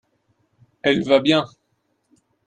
elle va bien.